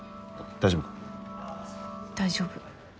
大丈夫。